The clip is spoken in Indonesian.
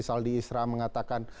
saldi isra mengatakan